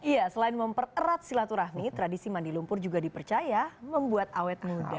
ya selain mempererat silaturahmi tradisi mandi lumpur juga dipercaya membuat awet muda